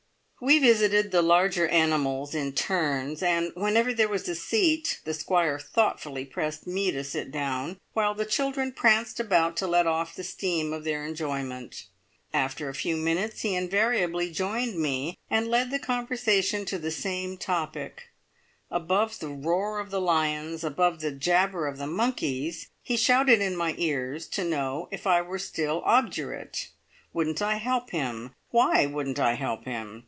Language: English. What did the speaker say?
We visited the larger animals in turns, and whenever there was a seat the Squire thoughtfully pressed me to sit down, while the children pranced about to let off the steam of their enjoyment. After a few minutes he invariably joined me, and led the conversation to the same topic. Above the roar of the lions, above the jabber of the monkeys, he shouted in my ears to know if I were still obdurate. Wouldn't I help him? Why wouldn't I help him?